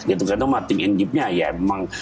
itu kan sama tinginjibnya ya emang